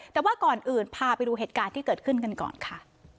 แต่ว่าก่อนอื่นพาไปดูเหตุการณ์ที่เกิดขึ้นกันก่อนค่ะ